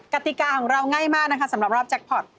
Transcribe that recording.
กติกาของเราง่ายมากนะคะสำหรับรอบแจ็คพอร์ต